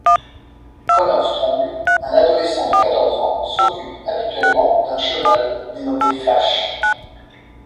Connor Strong, un adolescent de quatorze ans, s'occupe habituellement d'un cheval dénommé Flash.